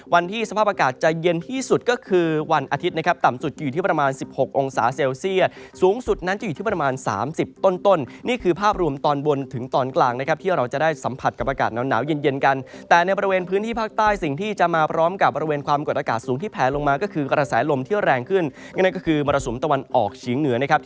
วันที่สภาพอากาศจะเย็นที่สุดก็คือวันอาทิตย์นะครับต่ำสุดอยู่ที่ประมาณ๑๖องศาเซลเซียสูงสุดนั้นจะอยู่ที่ประมาณ๓๐ต้นนี่คือภาพรวมตอนบนถึงตอนกลางนะครับที่เราจะได้สัมผัสกับอากาศหนาวเย็นกันแต่ในบริเวณพื้นที่ภาคใต้สิ่งที่จะมาพร้อมกับบริเวณความกดอากาศสูงที่แผนลงมา